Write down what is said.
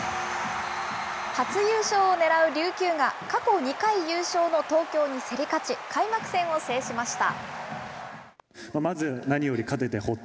初優勝を狙う琉球が過去２回優勝の東京に競り勝ち、開幕戦を制しました。